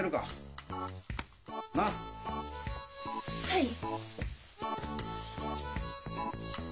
はい。